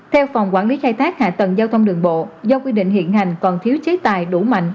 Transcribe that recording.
theo phòng quản lý khai thác hạ tầng giao thông đường bộ do quy định hiện hành còn thiếu chế tài đủ mạnh